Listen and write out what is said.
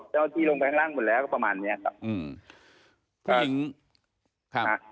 เจ้าที่โรงพยาบาลล่างหมดแล้วก็ประมาณเนี่ยครับ